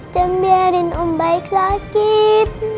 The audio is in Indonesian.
jangan biarin ong baik sakit